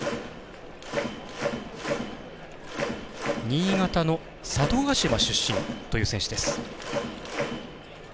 新潟の佐渡島出身という選手です。